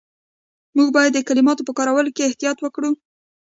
موږ باید د کلماتو په کارولو کې احتیاط وکړو.